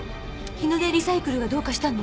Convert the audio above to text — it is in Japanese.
日の出リサイクルがどうかしたの？